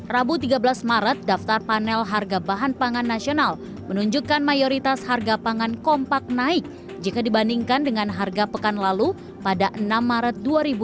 rabu tiga belas maret daftar panel harga bahan pangan nasional menunjukkan mayoritas harga pangan kompak naik jika dibandingkan dengan harga pekan lalu pada enam maret dua ribu dua puluh